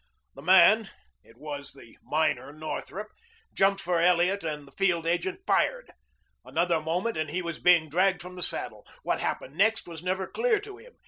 The man it was the miner Northrup jumped for Elliot and the field agent fired. Another moment, and he was being dragged from the saddle. What happened next was never clear to him.